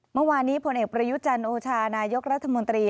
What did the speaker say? เมื่อวานนี้ผลเอกประยุจันทร์โอชานายกรัฐมนตรี